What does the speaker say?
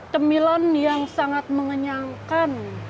kemilan yang sangat mengenyangkan